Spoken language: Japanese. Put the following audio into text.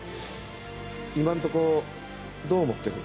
今んとこどう思ってる？